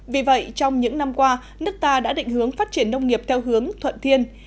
vì vậy trong những năm qua nước ta đã định hướng phát triển nông nghiệp theo hướng thuận thiên